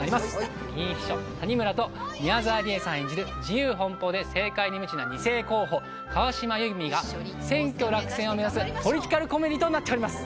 議員秘書谷村と宮沢りえさん演じる自由奔放で政界に無知な二世候補川島有美が選挙落選を目指すポリティカルコメディーとなっております！